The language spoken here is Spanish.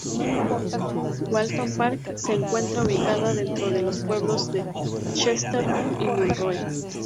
Walton Park se encuentra ubicada dentro de los pueblos de Chester y Monroe.